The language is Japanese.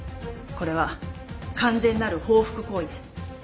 これは完全なる報復行為です。